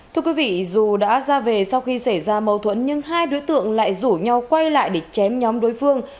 thưa quý vị dù đã ra về sau khi xảy ra mâu thuẫn nhưng hai đối tượng lại rủ nhau quay lại để chém nhóm đối phương